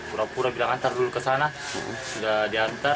pura pura bilang antar dulu ke sana sudah diantar